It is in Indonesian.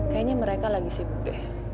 kayaknya mereka lagi sibuk deh